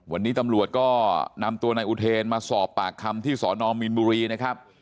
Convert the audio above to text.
วันนี้ตำรวจก็นำตัวนายอุเทนมาสอบปากคำที่สอนอมมีนบุรีนะครับ